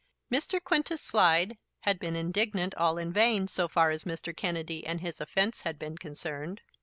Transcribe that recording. Mr. Quintus Slide had been indignant all in vain, so far as Mr. Kennedy and his offence had been concerned.